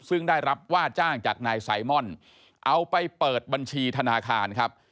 ซึ่งได้รับว่าจ้างจากนายไซมอนเอาไปเปิดบัญชีธนาคารครับ